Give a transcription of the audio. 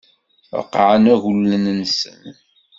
Reqqɛen agulen-nsen.